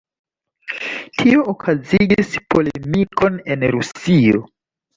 Tio okazigis polemikon en Rusio.